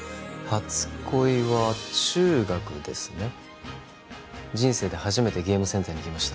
初恋は中学ですね人生で初めてゲームセンターに行きました